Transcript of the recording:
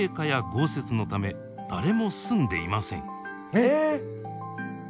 えっ！